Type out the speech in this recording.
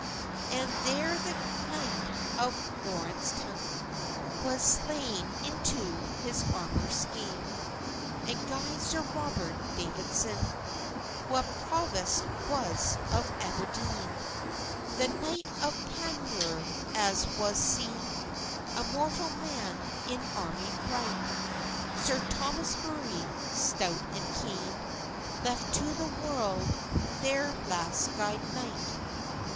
And thair the knicht of Lawriston Was slain into his armour schene, And gude Sir Robert Davidson, Wha provost was of Aberdene: The knicht of Panmure, as was sene, A mortall man in armour bricht, Sir Thomas Murray, stout and kene, Left to the warld thair last gude nicht.